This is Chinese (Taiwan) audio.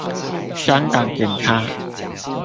香港警察